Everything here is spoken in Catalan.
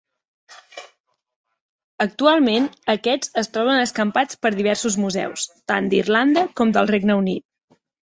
Actualment, aquests es troben escampats per diversos museus, tant d'Irlanda com del Regne Unit.